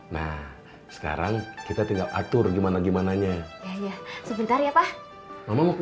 nah sekarang kita tinggal atur gimana gimananya sebentar ya pak muku